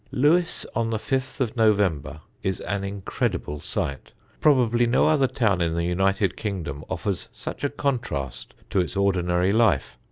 Lewes on the 5th of November is an incredible sight; probably no other town in the United Kingdom offers such a contrast to its ordinary life.